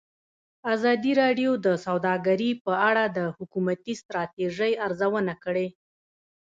ازادي راډیو د سوداګري په اړه د حکومتي ستراتیژۍ ارزونه کړې.